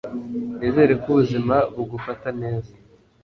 Nizere ko ubuzima bugufata neza